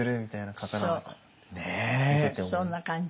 そんな感じ。